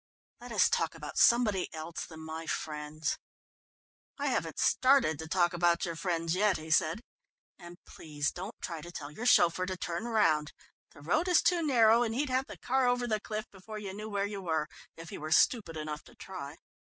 "Let us talk about somebody else than my friends." "I haven't started to talk about your friends yet," he said. "And please don't try to tell your chauffeur to turn round the road is too narrow, and he'd have the car over the cliff before you knew where you were, if he were stupid enough to try.